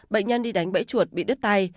bệnh nhân đi đánh bẫy chuột bị đứt tay